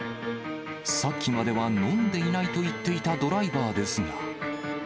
さっきまでは飲んでいないと言っていたドライバーですが。